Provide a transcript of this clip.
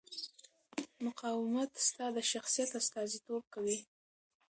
مقاومت ستا د شخصیت استازیتوب کوي.